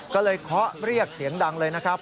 ก็เลยเคาะเรียกเสียงดังเลยนะครับ